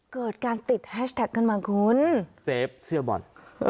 เกิดการติดแฮชแท็กขึ้นมาคุณเซฟเสื้อบอล